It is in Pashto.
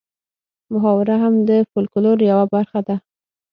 محاوره هم د فولکلور یوه برخه ده